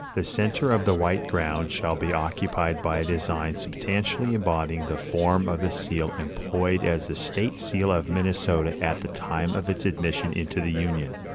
The center of the white ground shall be occupied by a design substantially embodying the form of the seal employed as the state seal of Minnesota at the time of its admission into the Union....